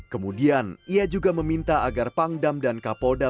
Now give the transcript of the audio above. kemudian ia juga meminta agar pangdam dan kapolda